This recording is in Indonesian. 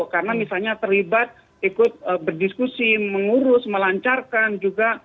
karena misalnya terlibat ikut berdiskusi mengurus melancarkan juga